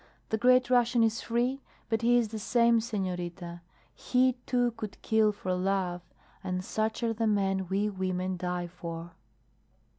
The great Russian is free, but he is the same, senorita he too could kill for love, and such are the men we women die for!"